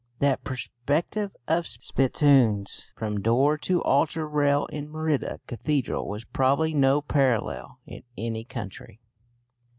That perspective of spittoons from door to altar rail in Merida Cathedral has probably no parallel in any country.